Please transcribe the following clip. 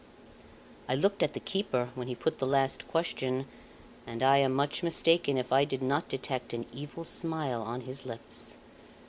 I looked at the keeper when he put the last question, and I am much mistaken if I did not detect an evil smile on his lips.